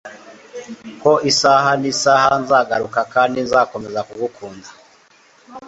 ko isaha nisaha nzagaruka kandi nzakomeza kugukunda